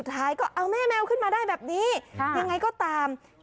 ท้ายก็เอาแม่แมวขึ้นมาได้แบบนี้ยังไงก็ตาม